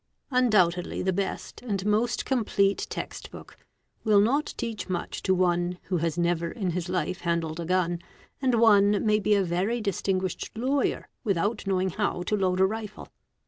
a Undoubtedly the best and most complete text book will not teach much to one who has never in his life handled a gun and one may be a very distinguished lawyer without knowing how to load a rifle.